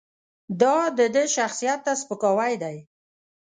دا د ده شخصیت ته سپکاوی دی.